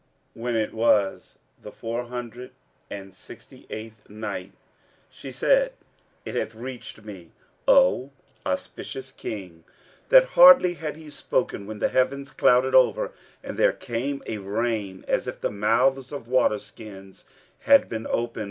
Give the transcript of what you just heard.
When it was the Four Hundred and Sixty eighth Night, She said, It hath reached me, O auspicious King, that "hardly had he spoken when the heavens clouded over and there came a rain, as if the mouths of waterskins had been opened.